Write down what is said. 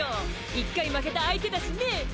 １回負けた相手だしね！